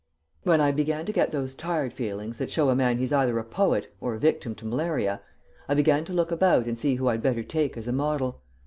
When I began to get those tired feelings that show a man he's either a poet or a victim to malaria, I began to look about and see who I'd better take as a model.